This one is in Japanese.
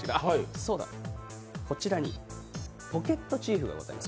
そうだ、こちらにポケットチーフがございます。